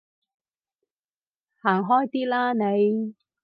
行開啲啦你